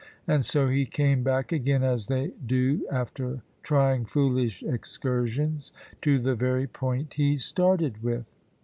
And so he came back again, as they do after trying foolish excursions, to the very point he started with.